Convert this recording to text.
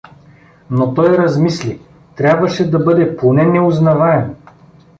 Но той размисли: трябваше да бъде поне неузнаваем.